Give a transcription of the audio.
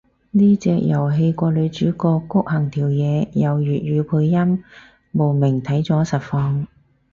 呢隻遊戲個女主角谷恆條嘢有粵語配音，慕名睇咗實況